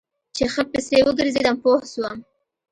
چې ښه پسې وګرځېدم پوه سوم.